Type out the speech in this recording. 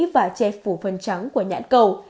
và che phủ phần trắng của nhãn cầu